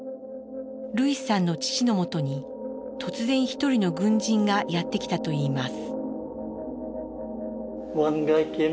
ルイスさんの父のもとに突然一人の軍人がやって来たといいます。